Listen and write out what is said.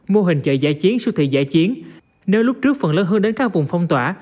mô hình chợ giải chiến siêu thị giải chiến nếu lúc trước phần lớn hơn đến các vùng phong tỏa